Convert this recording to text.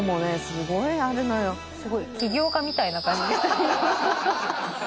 すごい。起業家みたいな感じ。